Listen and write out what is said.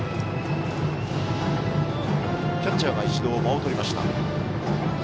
キャッチャーは一度、間をとりました。